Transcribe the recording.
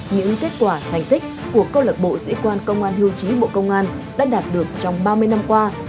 những kết quả thành tích của câu lạc bộ sĩ quan công an hưu trí bộ công an đã đạt được trong ba mươi năm qua